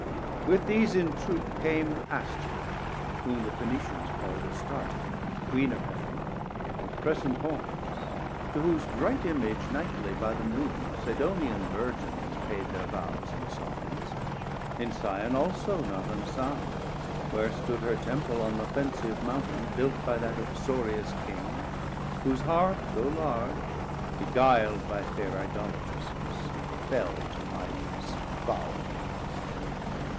With these in troop Came Astoreth, whom the Phoenicians call'd Astarte, Queen of Heav'n, with crescent Horns; To whose bright Image nightly by the Moon 440 Sidonian Virgins paid their Vows and Songs, In Sion also not unsung, where stood Her Temple on th' offensive Mountain, built By that uxorious King, whose heart though large, Beguil'd by fair Idolatresses, fell To Idols foul.